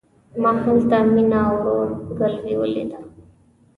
ما هلته مينه او ورور ګلوي وليده.